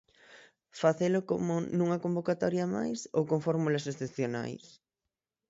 Facelo como nunha convocatoria máis ou con fórmulas 'excepcionais'?